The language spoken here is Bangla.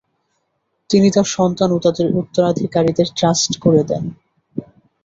তিনি তার সন্তান ও তাদের উত্তরাধিকারীদের ট্রাস্ট করে দেন।